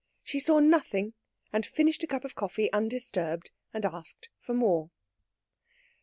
She saw nothing, and finished a cup of coffee undisturbed, and asked for more.